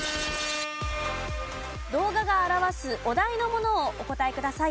動画が表すお題のものをお答えください。